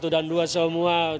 satu dan dua semua